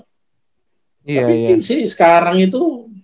tapi sih sekarang itu